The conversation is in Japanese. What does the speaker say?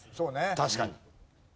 確かに。